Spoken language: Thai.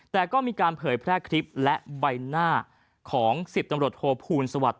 แต่ก็มีการเผยแพร่คลิปและใบหน้าของ๑๐ตำรวจโทพูลสวัสดิ